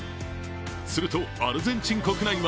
すると、アルゼンチン国内は